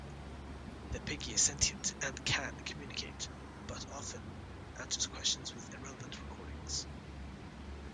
The Piggy is sentient and "can "communicate, but often answers questions with irrelevant recordings.